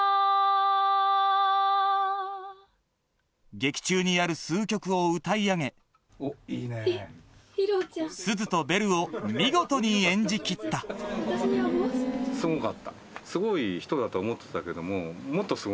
劇中にやる数曲を歌い上げすずとベルを見事に演じ切ったそんな興奮のえっ？